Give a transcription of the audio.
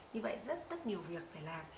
như vậy rất rất nhiều việc phải làm